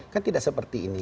kan tidak seperti ini